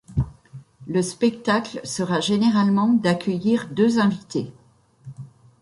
Le spectacle sera généralement d'accueillir deux invités.